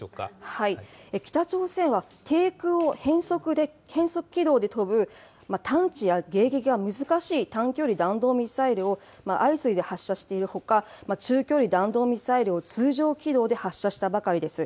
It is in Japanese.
北朝鮮は、低空を変則軌道で飛ぶ、探知や迎撃が難しい短距離弾道ミサイルを相次いで発射しているほか、中距離弾道ミサイルを通常軌道で発射したばかりです。